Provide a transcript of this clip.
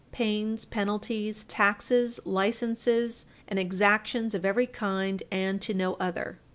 312 pains, penalties, taxes, licenses, and exactions of every kind, and to no other."